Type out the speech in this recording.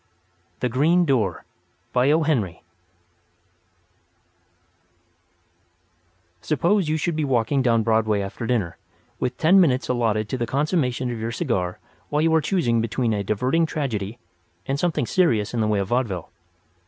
THE GREEN DOOR Suppose you should be walking down Broadway after dinner, with ten minutes allotted to the consummation of your cigar while you are choosing between a diverting tragedy and something serious in the way of vaudeville.